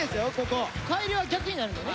帰りは逆になるのね。